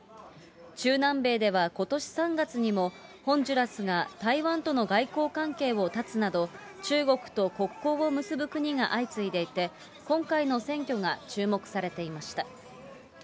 中南米ではことし３月にも、ホンジュラスが台湾との外交関係を断つなど、中国と国交を結ぶ国が相次いでいて、今回の選挙が注目されていました。